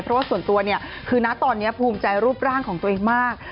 เพราะว่าส่วนตัวเนี่ยคือนะตอนนี้ภูมิใจรูปร่างของตัวเองมาก